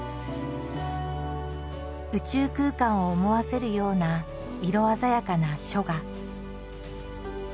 宇宙空間を思わせるような色鮮やかな書画。